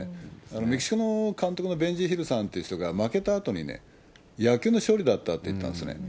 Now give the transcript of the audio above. メキシコの監督のベンジー・ヒルさんって人が、負けたあとに、野球の勝利だったって言ったんですね。